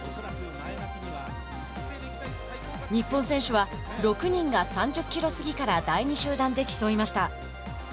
日本選手は６人が３０キロ過ぎから第二集団で競いました。